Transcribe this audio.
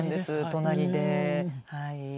隣ではい。